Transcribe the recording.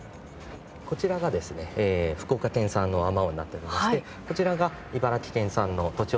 こちらがですね福岡県産のあまおうになっておりましてこちらが茨城県産のとちおとめになっております。